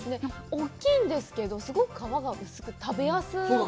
大きいんですけど、すごく皮が薄く、食べやすい。